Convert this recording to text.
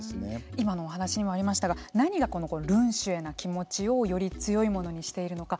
今のお話にもありましたが何が潤学な気持ちをより強いものにしているのか